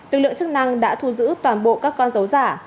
lực lượng chức năng đã thu giữ toàn bộ các con dấu giả